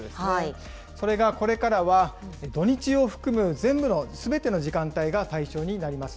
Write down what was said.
これが、これからは、土日を含む全部の、すべての時間帯が対象になります。